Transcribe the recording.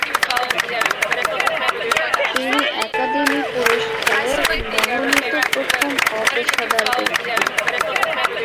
তিনি একাডেমি পুরস্কারের মনোনীত প্রথম অপেশাদার ব্যক্তি।